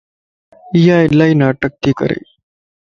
ايا الائي ناٽڪ تي ڪري